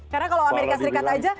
karena kalau amerika serikat aja